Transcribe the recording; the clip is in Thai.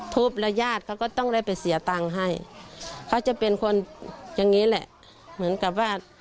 ทุบแล้วญาติเขาก็ต้องได้ไปเสียตังค์ให้เขาจะเป็นคนอย่างนี้แหละเหมือนกับว่า